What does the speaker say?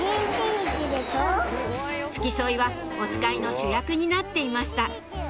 付き添いはおつかいの主役になっていました